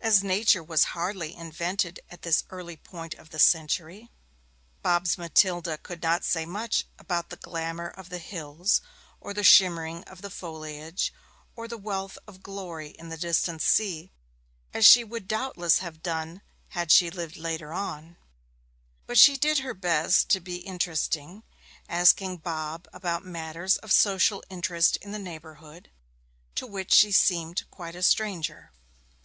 As Nature was hardly invented at this early point of the century, Bob's Matilda could not say much about the glamour of the hills, or the shimmering of the foliage, or the wealth of glory in the distant sea, as she would doubtless have done had she lived later on; but she did her best to be interesting, asking Bob about matters of social interest in the neighbourhood, to which she seemed quite a stranger.